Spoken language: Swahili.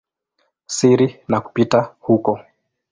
siri na kupita huko.